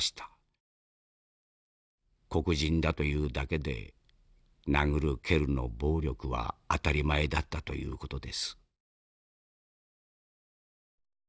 黒人だというだけで殴る蹴るの暴力は当たり前だったという事です」。